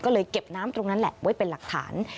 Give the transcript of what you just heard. ก็เลยเก็บน้ำตรงนั้นแหละไว้เป็นหลักฐาน